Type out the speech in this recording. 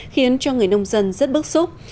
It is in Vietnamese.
khiến cho người nông dân rất bức xúc